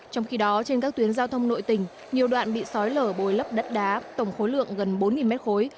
trong khi đó trên các tuyến giao thông nội tỉnh nhiều đoạn bị sói lở bồi lấp đất đá tổng khối lượng gần bốn mét khối